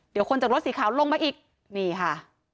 เดี๋ยวคนจากรถสีขาวลงมาอีกนี่ค่ะ